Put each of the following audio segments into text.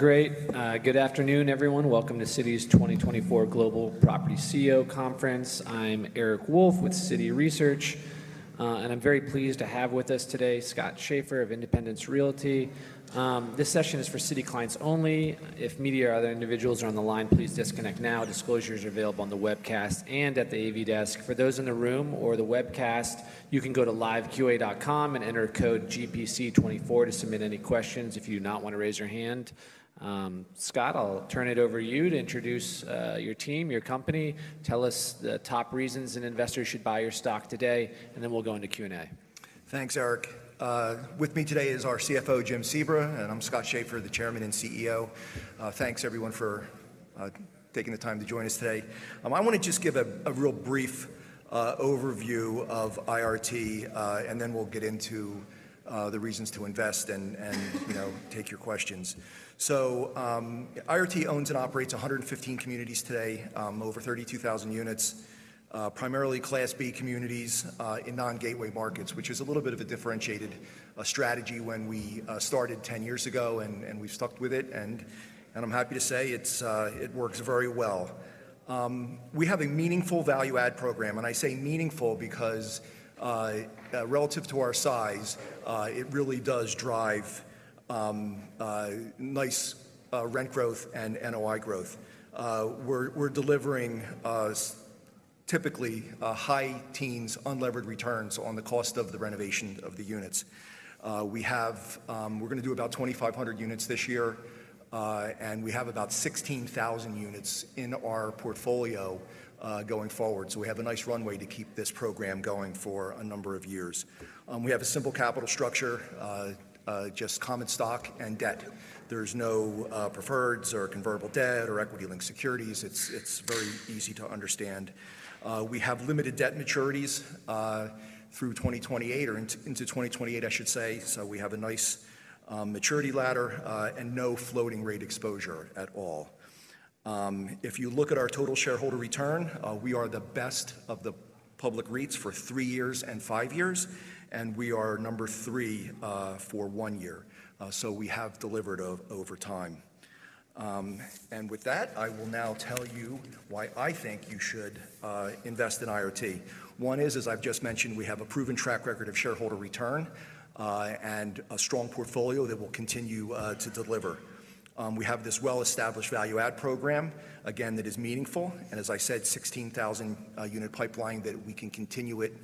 Great. Good afternoon, everyone. Welcome to Citi's 2024 Global Property CEO Conference. I'm Eric Wolfe with Citi Research, and I'm very pleased to have with us today Scott Schaeffer of Independence Realty. This session is for Citi clients only. If media or other individuals are on the line, please disconnect now. Disclosures are available on the webcast and at the AV desk. For those in the room or the webcast, you can go to liveqaa.com and enter code GPC24 to submit any questions if you do not want to raise your hand. Scott, I'll turn it over to you to introduce your team, your company. Tell us the top reasons an investor should buy your stock today, and then we'll go into Q&A. Thanks, Eric. With me today is our CFO, Jim Sebra, and I'm Scott Schaeffer, the Chairman and CEO. Thanks, everyone, for taking the time to join us today. I want to just give a real brief overview of IRT, and then we'll get into the reasons to invest and take your questions. So IRT owns and operates 115 communities today, over 32,000 units, primarily Class B communities in non-gateway markets, which is a little bit of a differentiated strategy when we started 10 years ago, and we've stuck with it. And I'm happy to say it works very well. We have a meaningful value-add program, and I say meaningful because, relative to our size, it really does drive nice rent growth and NOI growth. We're delivering typically high teens unlevered returns on the cost of the renovation of the units. We're going to do about 2,500 units this year, and we have about 16,000 units in our portfolio going forward. So we have a nice runway to keep this program going for a number of years. We have a simple capital structure, just common stock and debt. There's no preferreds or convertible debt or equity-linked securities. It's very easy to understand. We have limited debt maturities through 2028 or into 2028, I should say. So we have a nice maturity ladder and no floating-rate exposure at all. If you look at our total shareholder return, we are the best of the public REITs for three years and five years, and we are number three for one year. So we have delivered over time. And with that, I will now tell you why I think you should invest in IRT. One is, as I've just mentioned, we have a proven track record of shareholder return and a strong portfolio that will continue to deliver. We have this well-established value-add program, again, that is meaningful. And as I said, 16,000-unit pipeline that we can continue it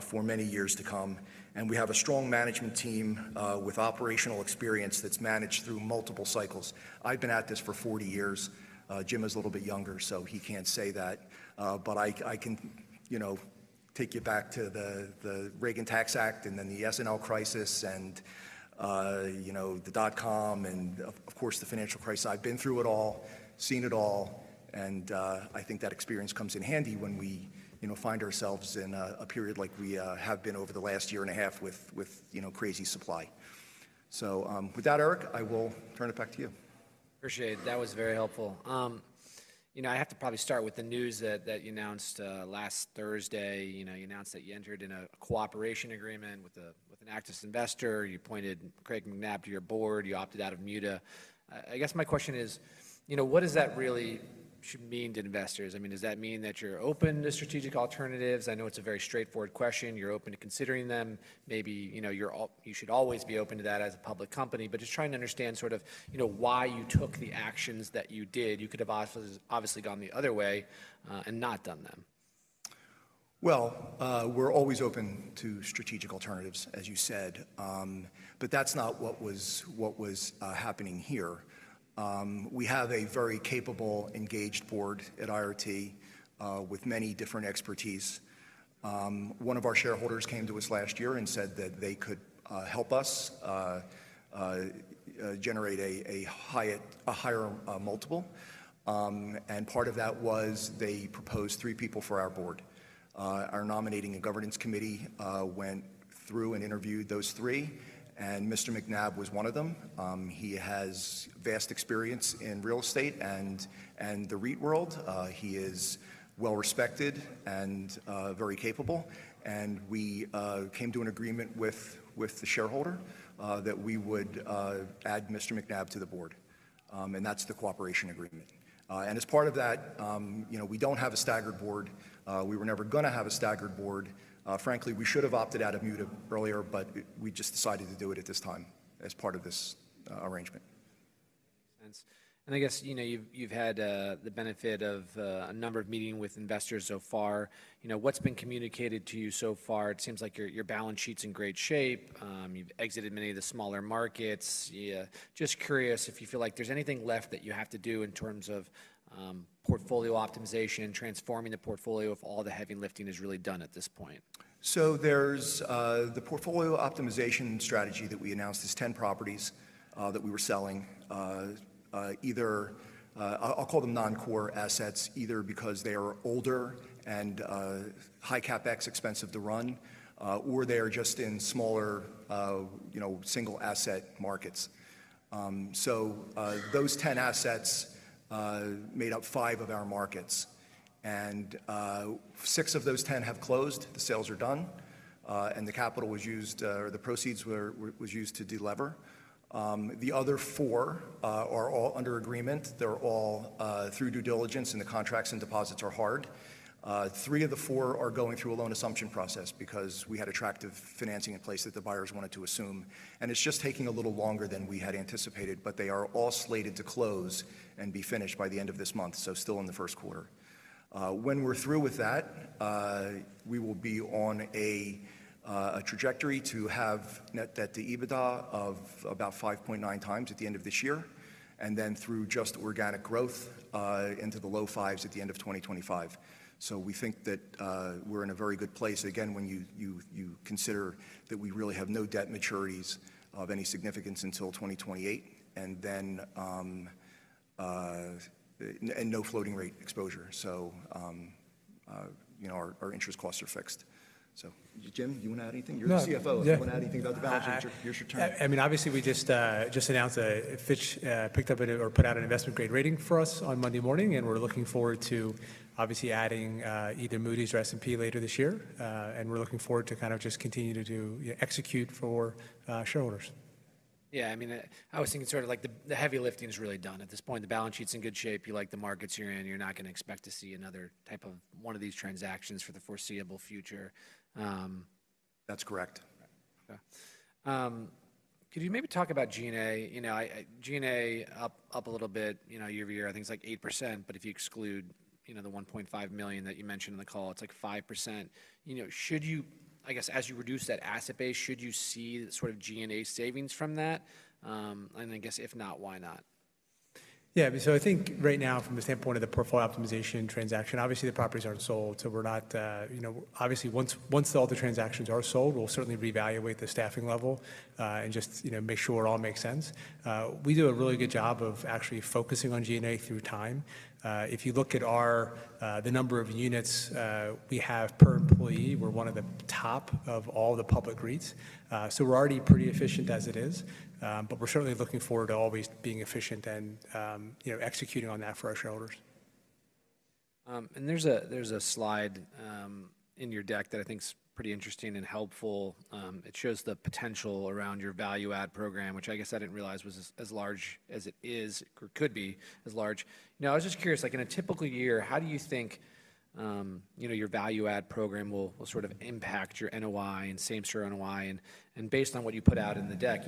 for many years to come. And we have a strong management team with operational experience that's managed through multiple cycles. I've been at this for 40 years. Jim is a little bit younger, so he can't say that. But I can take you back to the Reagan Tax Act and then the S&L crisis and the dot-com and, of course, the financial crisis. I've been through it all, seen it all, and I think that experience comes in handy when we find ourselves in a period like we have been over the last year and a half with crazy supply. With that, Eric, I will turn it back to you. Appreciate it. That was very helpful. I have to probably start with the news that you announced last Thursday. You announced that you entered in a cooperation agreement with an activist investor. You pointed Craig Macnab to your board. You opted out of MUTA. I guess my question is, what does that really mean to investors? I mean, does that mean that you're open to strategic alternatives? I know it's a very straightforward question. You're open to considering them. Maybe you should always be open to that as a public company. But just trying to understand sort of why you took the actions that you did. You could have obviously gone the other way and not done them. Well, we're always open to strategic alternatives, as you said. But that's not what was happening here. We have a very capable, engaged board at IRT with many different expertise. One of our shareholders came to us last year and said that they could help us generate a higher multiple. And part of that was they proposed three people for our board. Our nominating and governance committee went through and interviewed those three, and Mr. Macnab was one of them. He has vast experience in real estate and the REIT world. He is well-respected and very capable. And we came to an agreement with the shareholder that we would add Mr. Macnab to the board. And that's the cooperation agreement. And as part of that, we don't have a staggered board. We were never going to have a staggered board. Frankly, we should have opted out of MUTA earlier, but we just decided to do it at this time as part of this arrangement. Makes sense. I guess you've had the benefit of a number of meetings with investors so far. What's been communicated to you so far? It seems like your balance sheet's in great shape. You've exited many of the smaller markets. Just curious if you feel like there's anything left that you have to do in terms of portfolio optimization, transforming the portfolio if all the heavy lifting is really done at this point. So the portfolio optimization strategy that we announced is 10 properties that we were selling. I'll call them non-core assets, either because they are older and high CapEx, expensive to run, or they are just in smaller single-asset markets. So those 10 assets made up 5 of our markets. And 6 of those 10 have closed. The sales are done, and the capital was used or the proceeds were used to delever. The other 4 are all under agreement. They're all through due diligence, and the contracts and deposits are hard. 3 of the 4 are going through a loan assumption process because we had attractive financing in place that the buyers wanted to assume. And it's just taking a little longer than we had anticipated, but they are all slated to close and be finished by the end of this month, so still in the first quarter. When we're through with that, we will be on a trajectory to have Net Debt to EBITDA of about 5.9 times at the end of this year and then through just organic growth into the low 5s at the end of 2025. So we think that we're in a very good place. Again, when you consider that we really have no debt maturities of any significance until 2028 and no floating-rate exposure, so our interest costs are fixed. So. Jim, you want to add anything? You're the CFO. You want to add anything about the balance sheet? Your turn. I mean, obviously, we just announced a Fitch picked up or put out an investment-grade rating for us on Monday morning, and we're looking forward to obviously adding either Moody's or S&P later this year. And we're looking forward to kind of just continue to execute for shareholders. Yeah. I mean, I was thinking sort of the heavy lifting is really done at this point. The balance sheet's in good shape. You like the markets you're in. You're not going to expect to see another type of one of these transactions for the foreseeable future. That's correct. Could you maybe talk about G&A? G&A up a little bit year-over-year. I think it's like 8%. But if you exclude the $1.5 million that you mentioned in the call, it's like 5%. I guess as you reduce that asset base, should you see sort of G&A savings from that? And then I guess if not, why not? Yeah. I mean, so I think right now, from the standpoint of the portfolio optimization transaction, obviously, the properties aren't sold. So we're not obviously, once all the transactions are sold, we'll certainly reevaluate the staffing level and just make sure it all makes sense. We do a really good job of actually focusing on G&A through time. If you look at the number of units we have per employee, we're one of the top of all the public REITs. So we're already pretty efficient as it is. But we're certainly looking forward to always being efficient and executing on that for our shareholders. There's a slide in your deck that I think's pretty interesting and helpful. It shows the potential around your value-add program, which I guess I didn't realize was as large as it is or could be as large. I was just curious, in a typical year, how do you think your value-add program will sort of impact your NOI and same-store NOI? And based on what you put out in the deck,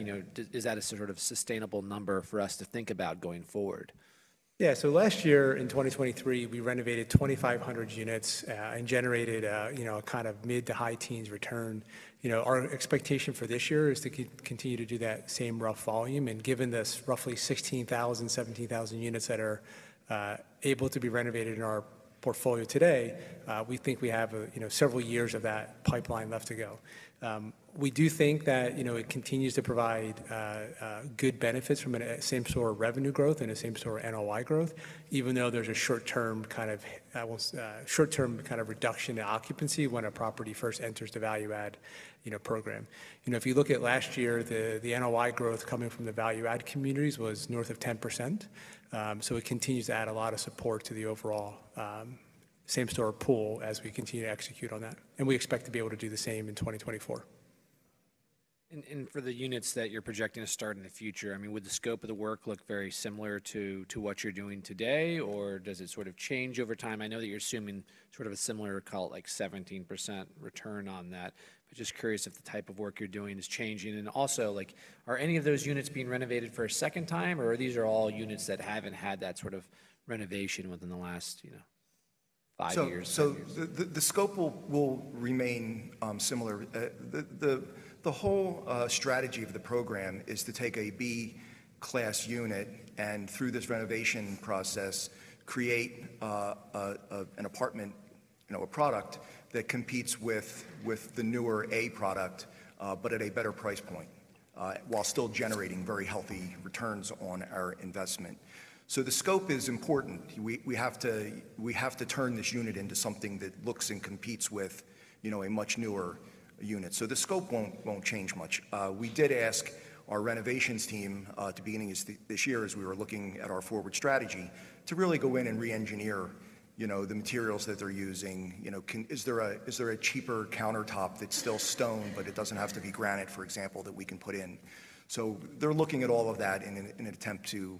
is that a sort of sustainable number for us to think about going forward? Yeah. So last year, in 2023, we renovated 2,500 units and generated a kind of mid- to high-teens return. Our expectation for this year is to continue to do that same rough volume. And given this roughly 16,000-17,000 units that are able to be renovated in our portfolio today, we think we have several years of that pipeline left to go. We do think that it continues to provide good benefits from a same-store revenue growth and a same-store NOI growth, even though there's a short-term kind of reduction in occupancy when a property first enters the value-add program. If you look at last year, the NOI growth coming from the value-add communities was north of 10%. So it continues to add a lot of support to the overall same-store pool as we continue to execute on that. We expect to be able to do the same in 2024. For the units that you're projecting to start in the future, I mean, would the scope of the work look very similar to what you're doing today, or does it sort of change over time? I know that you're assuming sort of a similar, call it like 17% return on that. Just curious if the type of work you're doing is changing. Also, are any of those units being renovated for a second time, or are these all units that haven't had that sort of renovation within the last five years? So the scope will remain similar. The whole strategy of the program is to take a Class B unit and, through this renovation process, create an apartment, a product that competes with the newer Class A product but at a better price point while still generating very healthy returns on our investment. So the scope is important. We have to turn this unit into something that looks and competes with a much newer unit. So the scope won't change much. We did ask our renovations team at the beginning of this year, as we were looking at our forward strategy, to really go in and re-engineer the materials that they're using. Is there a cheaper countertop that's still stone, but it doesn't have to be granite, for example, that we can put in? So they're looking at all of that in an attempt to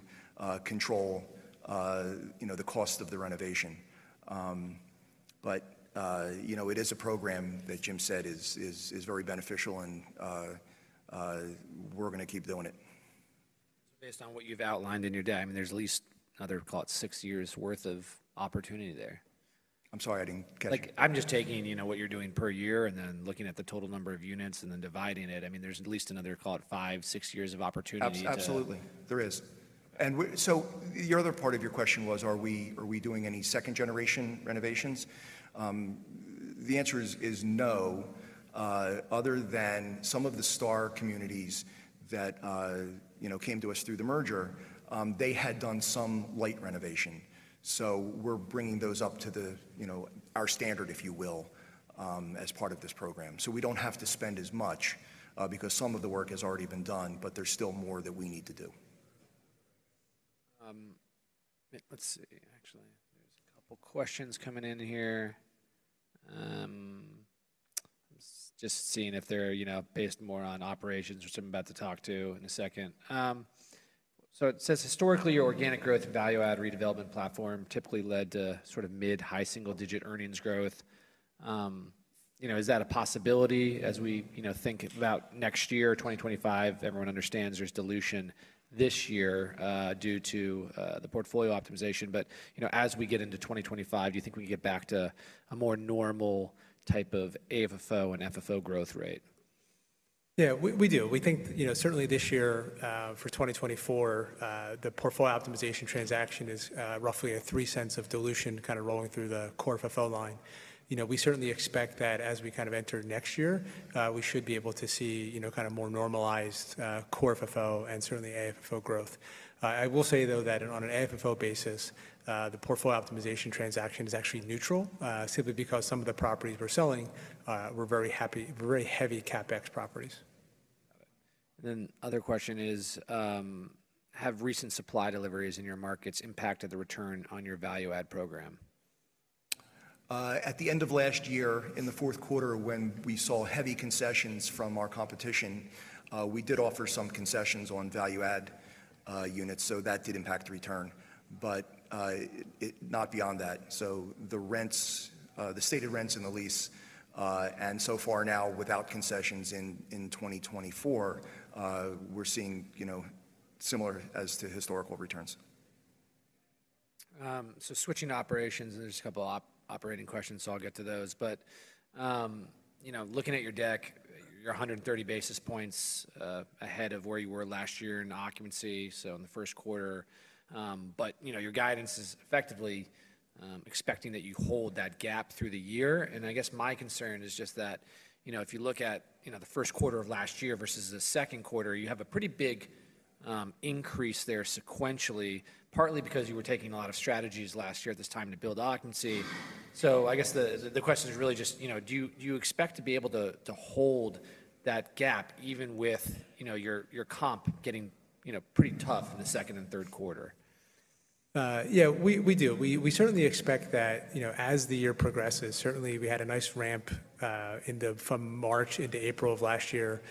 control the cost of the renovation. But it is a program that Jim said is very beneficial, and we're going to keep doing it. Based on what you've outlined in your deck, I mean, there's at least another, call it, 6 years' worth of opportunity there. I'm sorry. I didn't catch it. I'm just taking what you're doing per year and then looking at the total number of units and then dividing it. I mean, there's at least another, call it, 5-6 years of opportunity to. Absolutely. There is. And so the other part of your question was, are we doing any second-generation renovations? The answer is no, other than some of the STAR communities that came to us through the merger. They had done some light renovation. So we're bringing those up to our standard, if you will, as part of this program. So we don't have to spend as much because some of the work has already been done, but there's still more that we need to do. Let's see. Actually, there's a couple of questions coming in here. I'm just seeing if they're based more on operations which I'm about to talk to in a second. So it says, "Historically, your organic growth and value-add redevelopment platform typically led to sort of mid, high, single-digit earnings growth." Is that a possibility as we think about next year, 2025? Everyone understands there's dilution this year due to the portfolio optimization. But as we get into 2025, do you think we can get back to a more normal type of AFFO and FFO growth rate? Yeah. We do. We think, certainly this year for 2024, the portfolio optimization transaction is roughly a $0.03 of dilution kind of rolling through the core FFO line. We certainly expect that as we kind of enter next year, we should be able to see kind of more normalized core FFO and certainly AFFO growth. I will say, though, that on an AFFO basis, the portfolio optimization transaction is actually neutral simply because some of the properties we're selling were very heavy CapEx properties. Got it. And then other question is, "Have recent supply deliveries in your markets impacted the return on your value-add program? At the end of last year, in the fourth quarter, when we saw heavy concessions from our competition, we did offer some concessions on value-add units. So that did impact the return, but not beyond that. So the stated rents and the lease, and so far now, without concessions in 2024, we're seeing similar as to historical returns. So switching to operations, and there's a couple of operating questions, so I'll get to those. But looking at your deck, you're 130 basis points ahead of where you were last year in occupancy, so in the first quarter. But your guidance is effectively expecting that you hold that gap through the year. And I guess my concern is just that if you look at the first quarter of last year versus the second quarter, you have a pretty big increase there sequentially, partly because you were taking a lot of strategies last year at this time to build occupancy. So I guess the question is really just, do you expect to be able to hold that gap even with your comp getting pretty tough in the second and third quarter? Yeah. We do. We certainly expect that as the year progresses, certainly, we had a nice ramp from March into April of last year.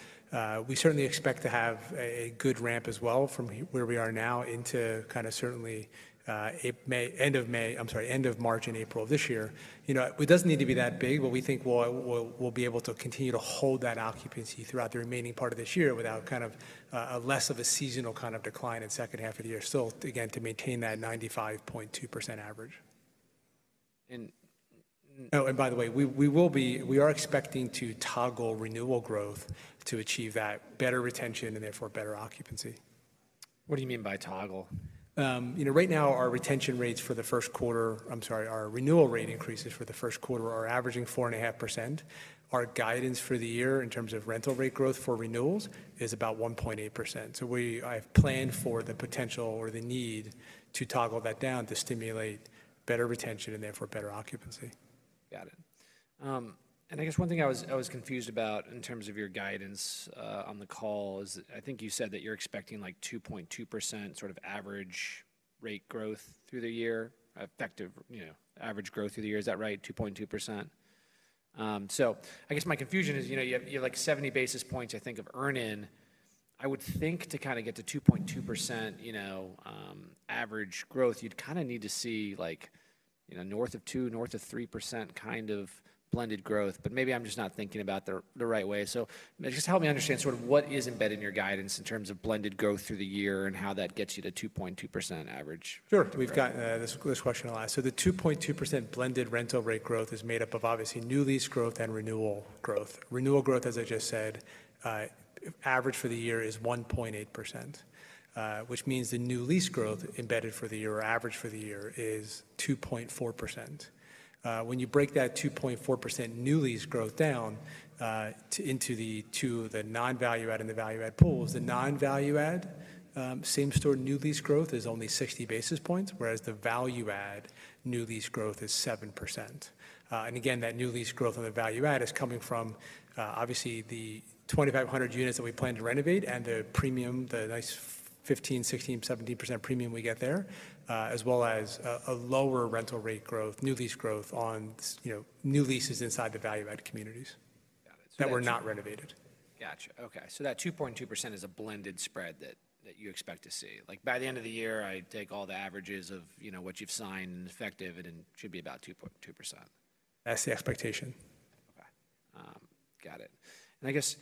We certainly expect to have a good ramp as well from where we are now into kind of certainly end of May. I'm sorry, end of March and April of this year. It doesn't need to be that big, but we think we'll be able to continue to hold that occupancy throughout the remaining part of this year without kind of less of a seasonal kind of decline in the second half of the year, still, again, to maintain that 95.2% average. And. Oh, and by the way, we are expecting to toggle renewal growth to achieve that better retention and, therefore, better occupancy. What do you mean by toggle? Right now, our retention rates for the first quarter. I'm sorry, our renewal rate increases for the first quarter are averaging 4.5%. Our guidance for the year in terms of rental rate growth for renewals is about 1.8%. So I plan for the potential or the need to toggle that down to stimulate better retention and, therefore, better occupancy. Got it. And I guess one thing I was confused about in terms of your guidance on the call is I think you said that you're expecting like 2.2% sort of average rate growth through the year, effective average growth through the year. Is that right? 2.2%? So I guess my confusion is you have like 70 basis points, I think, of earn-in. I would think to kind of get to 2.2% average growth, you'd kind of need to see like north of 2, north of 3% kind of blended growth. But maybe I'm just not thinking about the right way. So just help me understand sort of what is embedded in your guidance in terms of blended growth through the year and how that gets you to 2.2% average. Sure. This question will ask. So the 2.2% blended rental rate growth is made up of, obviously, new lease growth and renewal growth. Renewal growth, as I just said, average for the year is 1.8%, which means the new lease growth embedded for the year or average for the year is 2.4%. When you break that 2.4% new lease growth down into the non-value-add and the value-add pools, the non-value-add same-store new lease growth is only 60 basis points, whereas the value-add new lease growth is 7%. And again, that new lease growth on the value-add is coming from, obviously, the 2,500 units that we plan to renovate and the premium, the nice 15, 16, 17% premium we get there, as well as a lower rental rate growth, new lease growth on new leases inside the value-add communities that were not renovated. Gotcha. Okay. So that 2.2% is a blended spread that you expect to see. By the end of the year, I take all the averages of what you've signed and effective, it should be about 2.2%. That's the expectation. Okay. Got it. I guess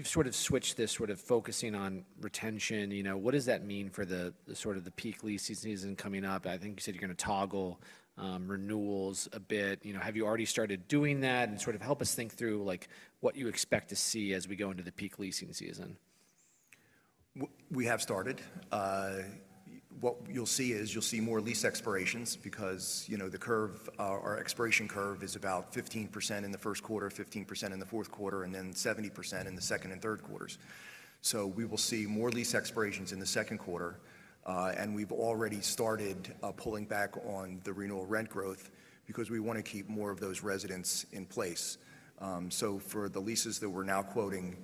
you've sort of switched this sort of focusing on retention. What does that mean for sort of the peak leasing season coming up? I think you said you're going to toggle renewals a bit. Have you already started doing that and sort of help us think through what you expect to see as we go into the peak leasing season? We have started. What you'll see is you'll see more lease expirations because the expiration curve is about 15% in the first quarter, 15% in the fourth quarter, and then 70% in the second and third quarters. So we will see more lease expirations in the second quarter. And we've already started pulling back on the renewal rent growth because we want to keep more of those residents in place. So for the leases that we're now quoting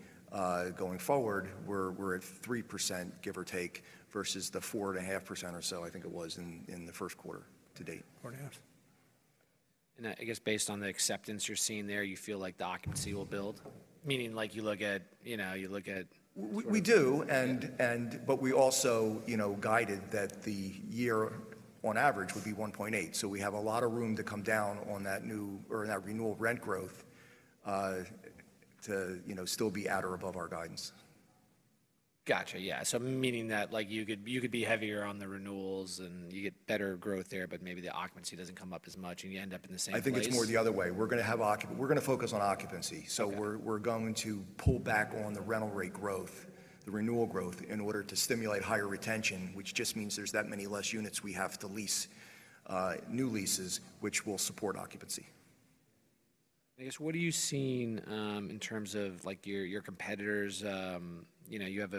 going forward, we're at 3%, give or take, versus the 4.5% or so I think it was in the first quarter to date. 4.5%. I guess based on the acceptance you're seeing there, you feel like the occupancy will build, meaning you look at. We do. But we also guided that the year, on average, would be 1.8%. So we have a lot of room to come down on that renewal rent growth to still be at or above our guidance. Gotcha. Yeah. So, meaning that you could be heavier on the renewals, and you get better growth there, but maybe the occupancy doesn't come up as much, and you end up in the same position. I think it's more the other way. We're going to focus on occupancy. So we're going to pull back on the rental rate growth, the renewal growth, in order to stimulate higher retention, which just means there's that many less units we have to lease, new leases, which will support occupancy. I guess what are you seeing in terms of your competitors? You have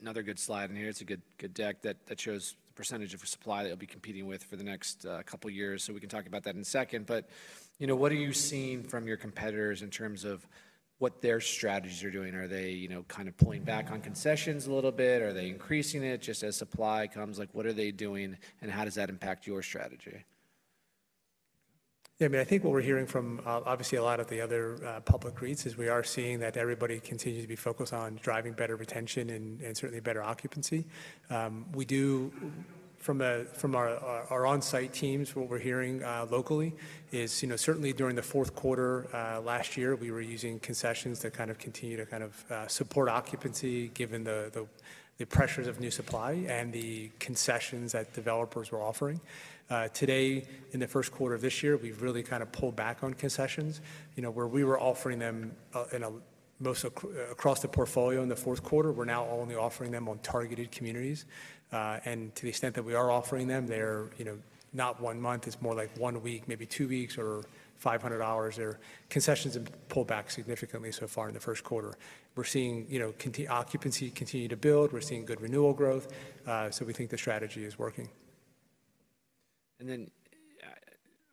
another good slide in here. It's a good deck that shows the percentage of supply that you'll be competing with for the next couple of years. So we can talk about that in a second. But what are you seeing from your competitors in terms of what their strategies are doing? Are they kind of pulling back on concessions a little bit? Are they increasing it? Just as supply comes, what are they doing, and how does that impact your strategy? Yeah. I mean, I think what we're hearing from, obviously, a lot of the other public REITs is we are seeing that everybody continues to be focused on driving better retention and certainly better occupancy. From our on-site teams, what we're hearing locally is certainly, during the fourth quarter last year, we were using concessions to kind of continue to kind of support occupancy given the pressures of new supply and the concessions that developers were offering. Today, in the first quarter of this year, we've really kind of pulled back on concessions. Where we were offering them across the portfolio in the fourth quarter, we're now only offering them on targeted communities. And to the extent that we are offering them, they're not one month. It's more like one week, maybe two weeks, or $500. Concessions have pulled back significantly so far in the first quarter. We're seeing occupancy continue to build. We're seeing good renewal growth. So we think the strategy is working. And then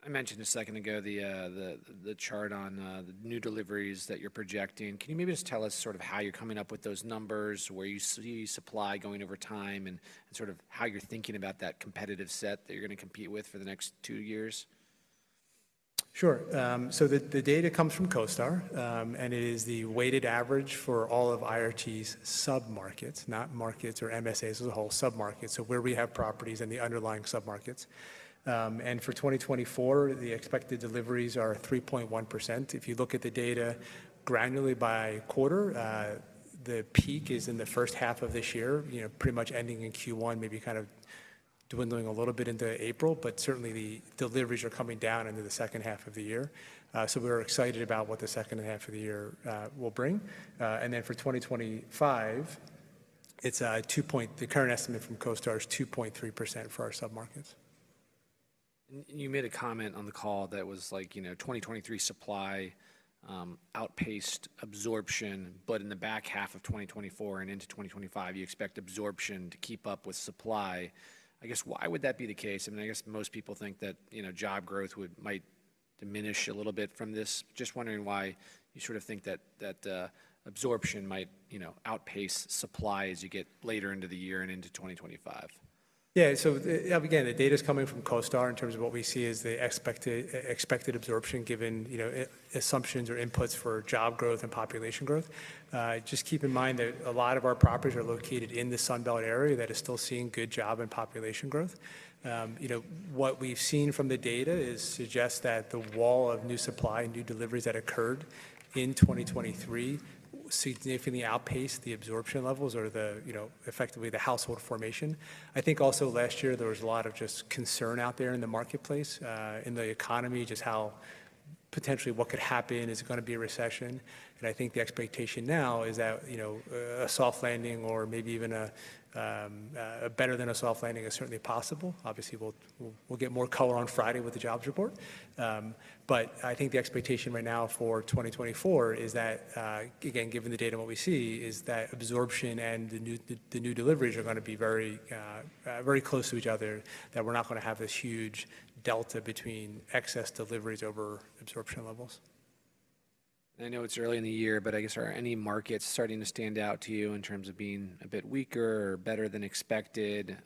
I mentioned a second ago the chart on the new deliveries that you're projecting. Can you maybe just tell us sort of how you're coming up with those numbers, where you see supply going over time, and sort of how you're thinking about that competitive set that you're going to compete with for the next two years? Sure. So the data comes from CoStar. It is the weighted average for all of IRT's submarkets, not markets or MSAs as a whole, submarkets, so where we have properties and the underlying submarkets. For 2024, the expected deliveries are 3.1%. If you look at the data granularly by quarter, the peak is in the first half of this year, pretty much ending in Q1, maybe kind of dwindling a little bit into April. But certainly, the deliveries are coming down into the second half of the year. So we're excited about what the second half of the year will bring. For 2025, the current estimate from CoStar is 2.3% for our submarkets. You made a comment on the call that was like 2023 supply outpaced absorption. In the back half of 2024 and into 2025, you expect absorption to keep up with supply. I guess why would that be the case? I mean, I guess most people think that job growth might diminish a little bit from this. Just wondering why you sort of think that absorption might outpace supply as you get later into the year and into 2025. Yeah. So again, the data is coming from CoStar in terms of what we see as the expected absorption given assumptions or inputs for job growth and population growth. Just keep in mind that a lot of our properties are located in the Sunbelt area that are still seeing good job and population growth. What we've seen from the data suggests that the wall of new supply and new deliveries that occurred in 2023 significantly outpaced the absorption levels or, effectively, the household formation. I think also last year, there was a lot of just concern out there in the marketplace, in the economy, just potentially what could happen. Is it going to be a recession? And I think the expectation now is that a soft landing or maybe even a better than a soft landing is certainly possible. Obviously, we'll get more color on Friday with the jobs report. But I think the expectation right now for 2024 is that, again, given the data and what we see, is that absorption and the new deliveries are going to be very close to each other, that we're not going to have this huge delta between excess deliveries over absorption levels. I know it's early in the year, but I guess are any markets starting to stand out to you in terms of being a bit weaker or better than expected?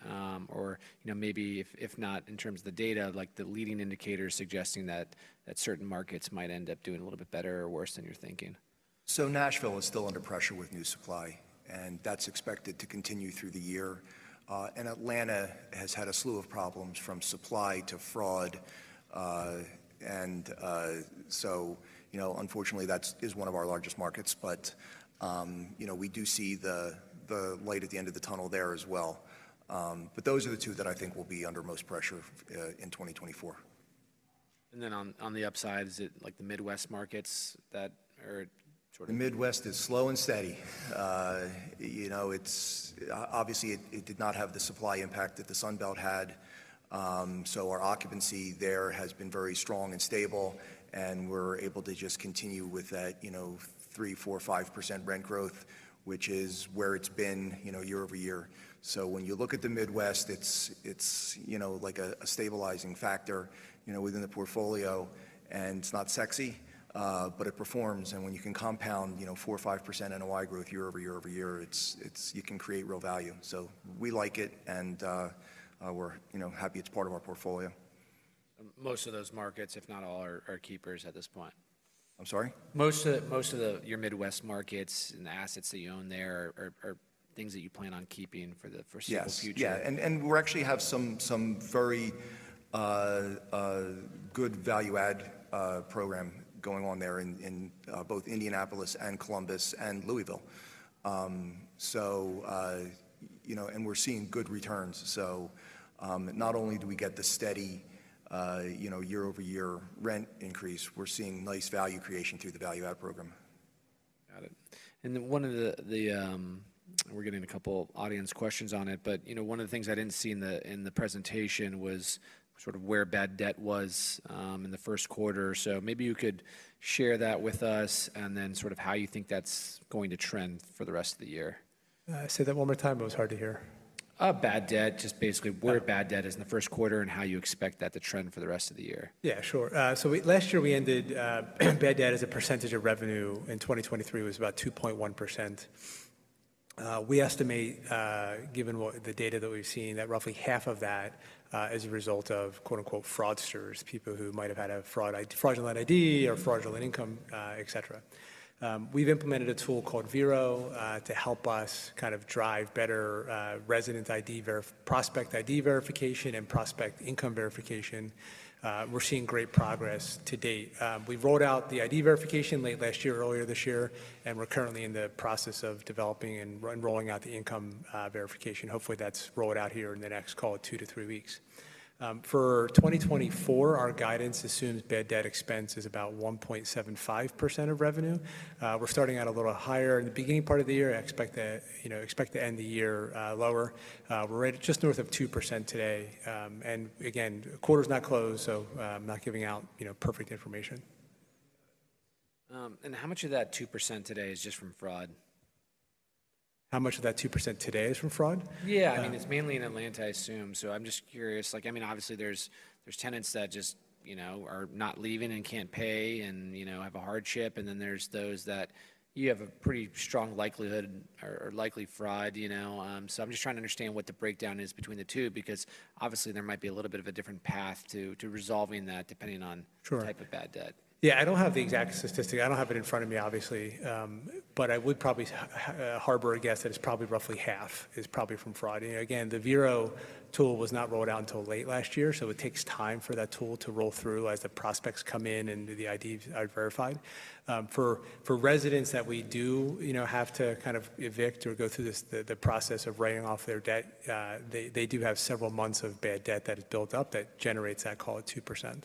Or maybe if not, in terms of the data, the leading indicators suggesting that certain markets might end up doing a little bit better or worse than you're thinking? So Nashville is still under pressure with new supply, and that's expected to continue through the year. And Atlanta has had a slew of problems from supply to fraud. And so unfortunately, that is one of our largest markets. But we do see the light at the end of the tunnel there as well. But those are the two that I think will be under most pressure in 2024. Then on the upside, is it the Midwest markets that are sort of? The Midwest is slow and steady. Obviously, it did not have the supply impact that the Sunbelt had. Our occupancy there has been very strong and stable. We're able to just continue with that 3%-5% rent growth, which is where it's been year-over-year. When you look at the Midwest, it's like a stabilizing factor within the portfolio. It's not sexy, but it performs. When you can compound 4%-5% NOI growth year-over-year over year-over-year, you can create real value. We like it, and we're happy it's part of our portfolio. Most of those markets, if not all, are keepers at this point. I'm sorry? Most of your Midwest markets and the assets that you own there are things that you plan on keeping for the future. Yes. Yeah. And we actually have some very good value-add program going on there in both Indianapolis and Columbus and Louisville. And we're seeing good returns. So not only do we get the steady year-over-year rent increase, we're seeing nice value creation through the value-add program. Got it. We're getting a couple of audience questions on it. But one of the things I didn't see in the presentation was sort of where bad debt was in the first quarter. So maybe you could share that with us and then sort of how you think that's going to trend for the rest of the year. Say that one more time. It was hard to hear. Bad debt, just basically where bad debt is in the first quarter and how you expect that to trend for the rest of the year? Yeah. Sure. So last year, we ended bad debt as a percentage of revenue. In 2023, it was about 2.1%. We estimate, given the data that we've seen, that roughly half of that is a result of "fraudsters," people who might have had a fraudulent ID or fraudulent income, etc. We've implemented a tool called Vero to help us kind of drive better resident ID, prospect ID verification, and prospect income verification. We're seeing great progress to date. We rolled out the ID verification late last year, earlier this year, and we're currently in the process of developing and rolling out the income verification. Hopefully, that's rolled out here in the next couple of 2-3 weeks. For 2024, our guidance assumes bad debt expense is about 1.75% of revenue. We're starting out a little higher in the beginning part of the year. I expect to end the year lower. We're just north of 2% today. And again, quarter's not closed, so I'm not giving out perfect information. How much of that 2% today is just from fraud? How much of that 2% today is from fraud? Yeah. I mean, it's mainly in Atlanta, I assume. So I'm just curious. I mean, obviously, there's tenants that just are not leaving and can't pay and have a hardship. And then there's those that you have a pretty strong likelihood are likely fraud. So I'm just trying to understand what the breakdown is between the two because, obviously, there might be a little bit of a different path to resolving that depending on the type of bad debt. Yeah. I don't have the exact statistic. I don't have it in front of me, obviously. But I would probably harbor a guess that it's probably roughly half is probably from fraud. Again, the Vero tool was not rolled out until late last year. So it takes time for that tool to roll through as the prospects come in and the IDs are verified. For residents that we do have to kind of evict or go through the process of writing off their debt, they do have several months of bad debt that has built up that generates that call of 2%.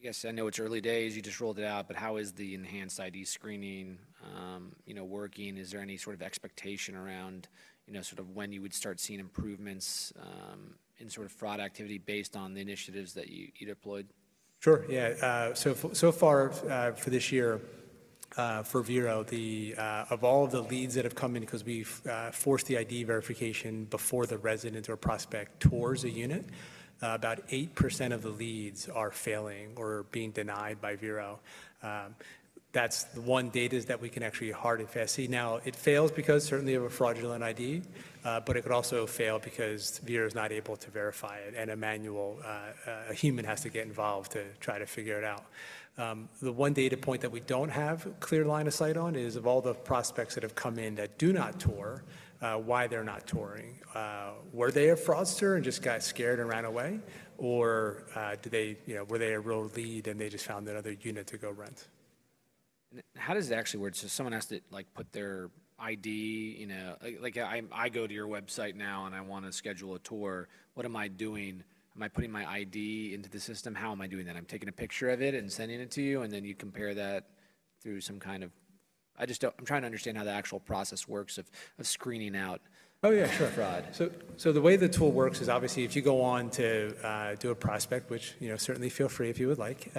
I guess I know it's early days. You just rolled it out. How is the enhanced ID screening working? Is there any sort of expectation around sort of when you would start seeing improvements in sort of fraud activity based on the initiatives that you deployed? Sure. Yeah. So far for this year for Vero, of all of the leads that have come in because we forced the ID verification before the resident or prospect tours a unit, about 8% of the leads are failing or being denied by Vero. That's the one data that we can actually harden fast. See, now, it fails because of a fraudulent ID. But it could also fail because Vero is not able to verify it, and a human has to get involved to try to figure it out. The one data point that we don't have a clear line of sight on is, of all the prospects that have come in that do not tour, why they're not touring. Were they a fraudster and just got scared and ran away? Or were they a real lead, and they just found another unit to go rent? How does it actually work? Someone has to put their ID. I go to your website now, and I want to schedule a tour. What am I doing? Am I putting my ID into the system? How am I doing that? I'm taking a picture of it and sending it to you. And then you compare that through some kind of. I'm trying to understand how the actual process works of screening out fraud. Oh, yeah. Sure. So the way the tool works is, obviously, if you go on to do a prospect, which certainly feel free if you would like,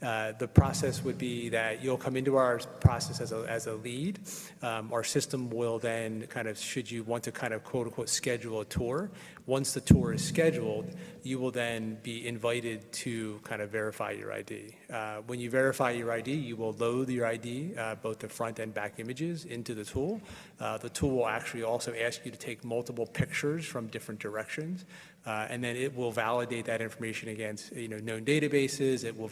the process would be that you'll come into our process as a lead. Our system will then kind of, should you want to kind of "schedule a tour," once the tour is scheduled, you will then be invited to kind of verify your ID. When you verify your ID, you will load your ID, both the front and back images, into the tool. The tool will actually also ask you to take multiple pictures from different directions. And then it will validate that information against known databases. It will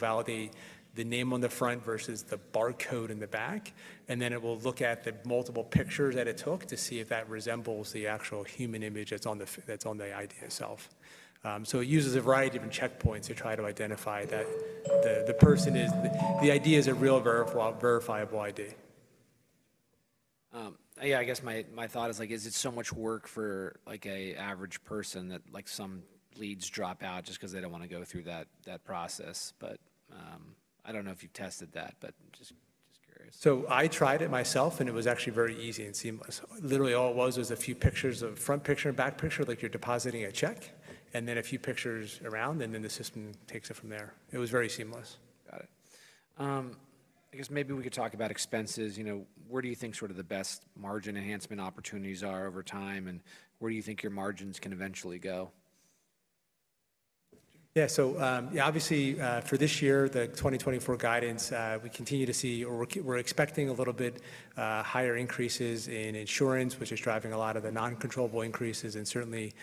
validate the name on the front versus the barcode in the back. Then it will look at the multiple pictures that it took to see if that resembles the actual human image that's on the ID itself. It uses a variety of different checkpoints to try to identify that the person is the ID is a real verifiable ID. Yeah. I guess my thought is, is it so much work for an average person that some leads drop out just because they don't want to go through that process? But I don't know if you've tested that, but just curious. So I tried it myself, and it was actually very easy and seamless. Literally, all it was was a few pictures, a front picture and back picture, like you're depositing a check, and then a few pictures around, and then the system takes it from there. It was very seamless. Got it. I guess maybe we could talk about expenses. Where do you think sort of the best margin enhancement opportunities are over time, and where do you think your margins can eventually go? Yeah. So obviously, for this year, the 2024 guidance, we continue to see or we're expecting a little bit higher increases in insurance, which is driving a lot of the non-controllable increases and certainly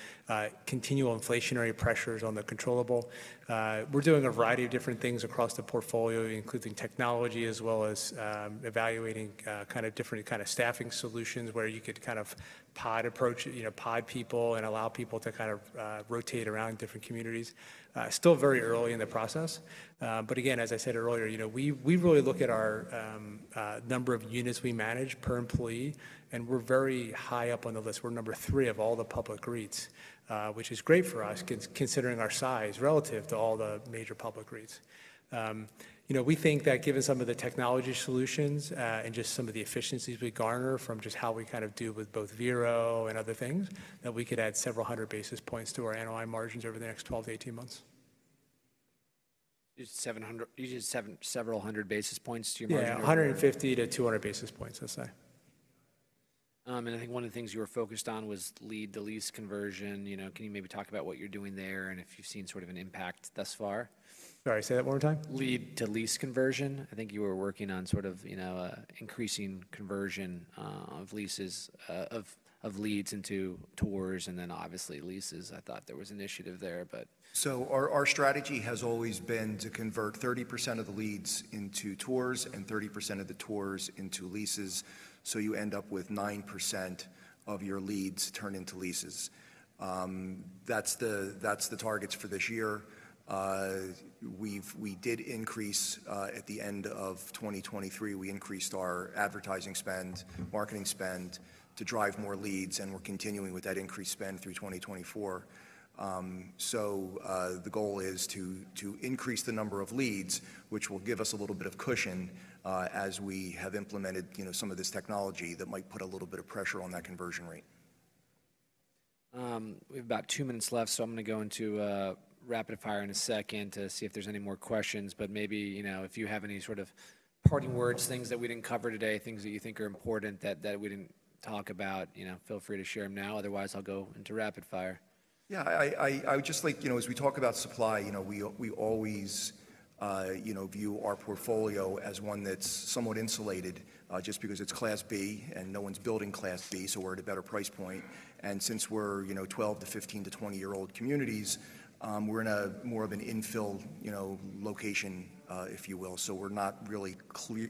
continual inflationary pressures on the controllable. We're doing a variety of different things across the portfolio, including technology as well as evaluating kind of different kind of staffing solutions where you could kind of pod approach, pod people, and allow people to kind of rotate around different communities. Still very early in the process. But again, as I said earlier, we really look at our number of units we manage per employee. And we're very high up on the list. We're number 3 of all the public REITs, which is great for us considering our size relative to all the major public REITs. We think that given some of the technology solutions and just some of the efficiencies we garner from just how we kind of do with both Vero and other things, that we could add several hundred basis points to our NOI margins over the next 12-18 months. You said several hundred basis points to your margin? Yeah. 150-200 basis points, I'd say. I think one of the things you were focused on was lead to lease conversion. Can you maybe talk about what you're doing there and if you've seen sort of an impact thus far? Sorry. Say that one more time? Lead to lease conversion. I think you were working on sort of increasing conversion of leads into tours and then, obviously, leases. I think there was an initiative there, but. Our strategy has always been to convert 30% of the leads into tours and 30% of the tours into leases. So you end up with 9% of your leads turn into leases. That's the targets for this year. We did increase at the end of 2023, we increased our advertising spend, marketing spend to drive more leads. We're continuing with that increased spend through 2024. So the goal is to increase the number of leads, which will give us a little bit of cushion as we have implemented some of this technology that might put a little bit of pressure on that conversion rate. We have about 2 minutes left. So I'm going to go into rapid fire in a second to see if there's any more questions. But maybe if you have any sort of parting words, things that we didn't cover today, things that you think are important that we didn't talk about, feel free to share them now. Otherwise, I'll go into rapid fire. Yeah. I would just like, as we talk about supply, we always view our portfolio as one that's somewhat insulated just because it's Class B and no one's building Class B, so we're at a better price point. And since we're 12- to 15- to 20-year-old communities, we're in more of an infill location, if you will. So we're not really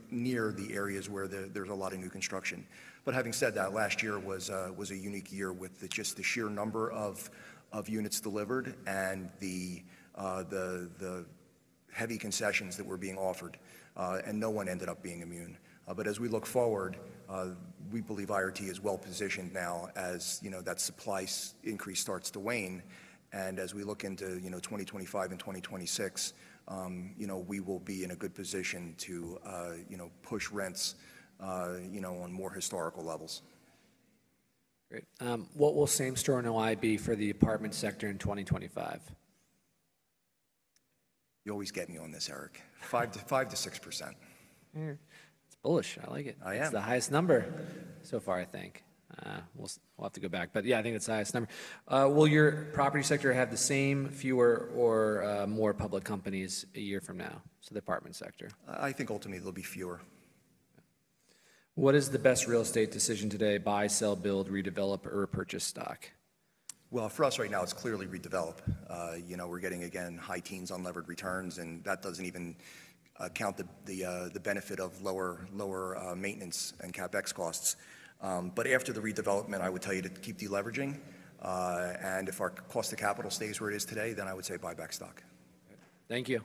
near the areas where there's a lot of new construction. But having said that, last year was a unique year with just the sheer number of units delivered and the heavy concessions that were being offered. And no one ended up being immune. But as we look forward, we believe IRT is well-positioned now as that supply increase starts to wane. And as we look into 2025 and 2026, we will be in a good position to push rents on more historical levels. Great. What will same-store NOI be for the apartment sector in 2025? You always get me on this, Eric. 5%-6%. It's bullish. I like it. I am. It's the highest number so far, I think. We'll have to go back. But yeah, I think it's the highest number. Will your property sector have the same fewer or more public companies a year from now, so the apartment sector? I think ultimately, there'll be fewer. What is the best real estate decision today: buy, sell, build, redevelop, or repurchase stock? Well, for us right now, it's clearly redevelop. We're getting, again, high teens on levered returns. And that doesn't even count the benefit of lower maintenance and CapEx costs. But after the redevelopment, I would tell you to keep deleveraging. And if our cost of capital stays where it is today, then I would say buy back stock. Thank you.